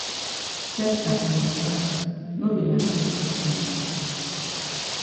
Sef na kongosa no be na true true tin?